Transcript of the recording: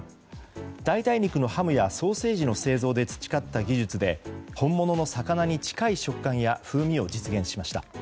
代替肉のハムやソーセージの製造で培った技術で本物の魚に近い食感や風味を実現しました。